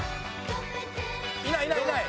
いないいないいない。